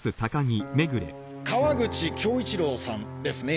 川口恭一郎さんですね？